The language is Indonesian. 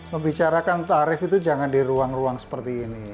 membicarakan tarif itu jangan di ruang ruang seperti ini